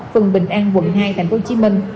phường bình an quận hai tp hcm